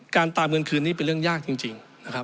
ตามเงินคืนนี้เป็นเรื่องยากจริงนะครับ